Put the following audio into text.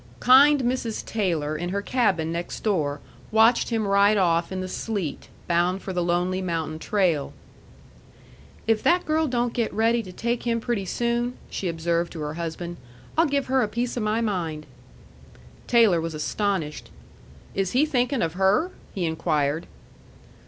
Kind Mrs. Taylor in her cabin next door watched him ride off in the sleet, bound for the lonely mountain trail. "If that girl don't get ready to take him pretty soon," she observed to her husband, "I'll give her a piece of my mind." Taylor was astonished. "Is he thinking of her?" he inquired.